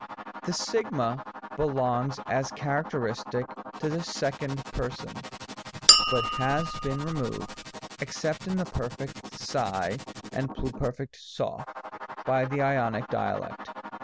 1. 2, belongs, as characteristic, to the Second Per son, but has been removed, except in the Perfect aac and Pluperfect oo^ by the Ionic Dialect.